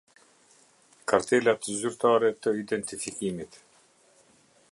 Kartelat zyrtare të identifikimit.